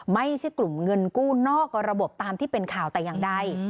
ไม่ใช่กลุ่มเงินกู้นอกระบบตามที่เป็นข่าวแต่อย่างใด